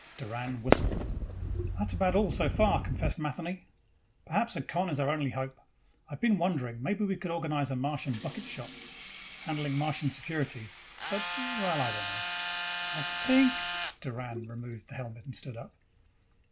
Doran whistled. "That's about all, so far," confessed Matheny. "Perhaps a con is our only hope. I've been wondering, maybe we could organize a Martian bucket shop, handling Martian securities, but well, I don't know." "I think " Doran removed the helmet and stood up.